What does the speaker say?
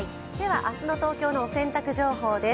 明日の東京のお洗濯情報です。